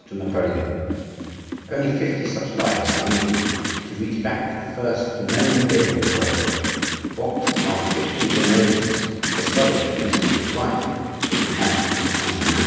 to Napoleon! Only fifty such lives are needed to reach back to the first known period of the world. "What are fifty generations for the study of the mysteries of life?" said the Comte de Saint Germain.